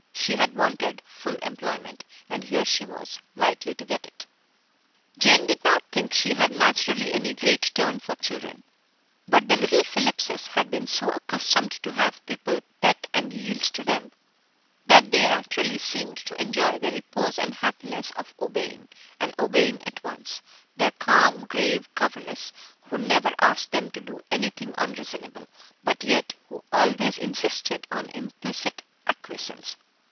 She had wanted full employment, and here she was likely to get it. Jane did not think she had naturally any great turn for children, but the little Phillipses had been so accustomed to have people pet and yield to them that they actually seemed to enjoy the repose and happiness of obeying, and obeying at once, their calm, grave governess, who never asked them to do anything unreasonable, but yet who always insisted on implicit acquiescence.